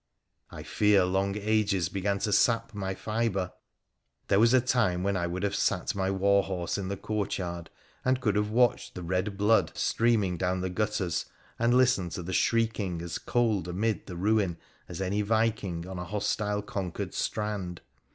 I. fear long ages begin to sap my fibre ! There was a time when I would have sat my war horse in the courtyard and could have watched the red blood streaming down the gutters and listened to the shrieking as cold amid the ruin as any Viking on a hostile conquered strand.